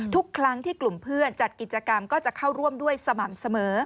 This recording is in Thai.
ทุกครั้งที่กลุ่มเพื่อนจัดกิจกรรมก็จะเข้าร่วมด้วยสม่ำเสมอ